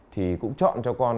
thì cũng chọn cho con